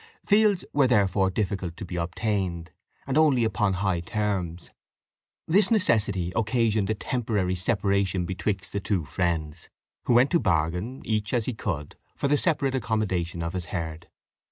Fields were therefore difficult to be obtained, and only upon high terms. This necessity occasioned a temporary separation betwixt the two friends, who went to bargain, each as he could, for the separate accommodation of his herd.